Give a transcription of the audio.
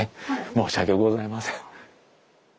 申し訳ございません。